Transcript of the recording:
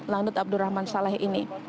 lanut abdurrahman saleh ini